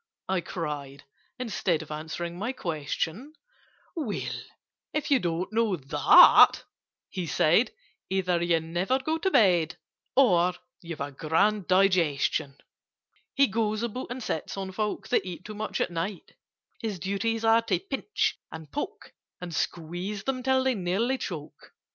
I cried. Instead Of answering my question, "Well, if you don't know that," he said, "Either you never go to bed, Or you've a grand digestion! "He goes about and sits on folk That eat too much at night: His duties are to pinch, and poke, And squeeze them till they nearly choke."